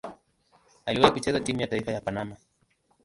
Aliwahi kucheza timu ya taifa ya Panama.